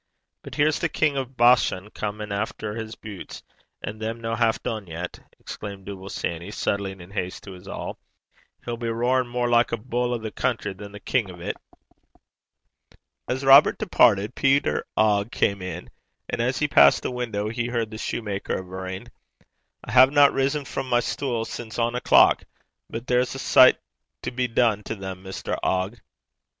But here's the King o' Bashan comin' efter his butes, an' them no half dune yet!' exclaimed Dooble Sanny, settling in haste to his awl and his lingel (Fr. ligneul). 'He'll be roarin' mair like a bull o' the country than the king o' 't.' As Robert departed, Peter Ogg came in, and as he passed the window, he heard the shoemaker averring: 'I haena risen frae my stule sin' ane o'clock; but there's a sicht to be dune to them, Mr. Ogg.'